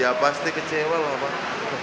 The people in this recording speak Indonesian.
ya pasti kecewa lah pak